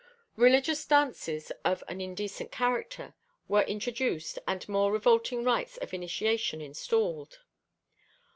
Religious dances of an indecent character were introduced and more revolting rites of initiation installed.